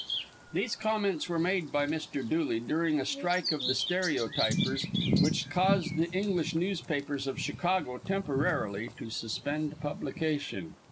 [These comments were made by Mr. Dooley during a strike of the stereotypers, which caused the English newspapers of Chicago temporarily to suspend publication.